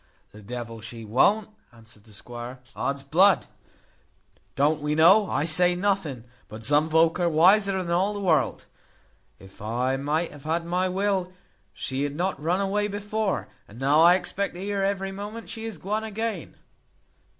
"The devil she won't!" answered the squire. "Odsbud! Don't we know I say nothing, but some volk are wiser than all the world. If I might have had my will, she had not run away before: and now I expect to hear every moment she is guone again.